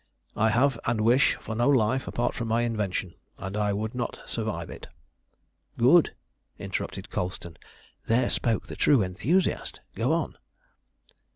I have and wish for no life apart from my invention, and I would not survive it." "Good!" interrupted Colston. "There spoke the true enthusiast. Go on."